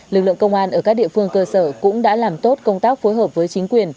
lực lượng công an ở các địa phương cơ sở cũng đã làm tốt công tác phối hợp với chính quyền